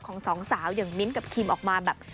ของสองสาวอย่างมิตรกับคิมออกมาแบบ